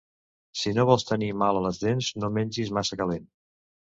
Si no vols tenir mal a les dents, no mengis massa calent.